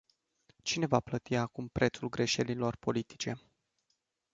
Cine va plăti acum prețul greșelilor politice?